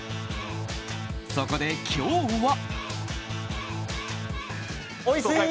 そこで今日は。